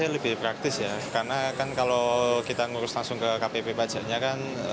lebih praktis ya karena kan kalau kita ngurus langsung ke ktp pajaknya kan